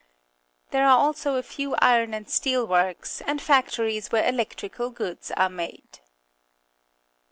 There are also a few iron and steel works, and factories where electrical goods are made.